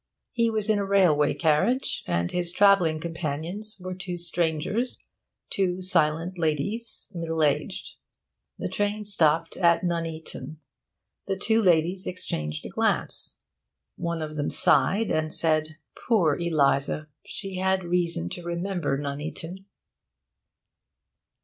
He was in a railway carriage, and his travelling companions were two strangers, two silent ladies, middle aged. The train stopped at Nuneaton. The two ladies exchanged a glance. One of them sighed, and said, 'Poor Eliza! She had reason to remember Nuneaton!'...